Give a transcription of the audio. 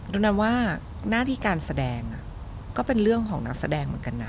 โดนันว่าหน้าที่การแสดงก็เป็นเรื่องของนักแสดงเหมือนกันนะ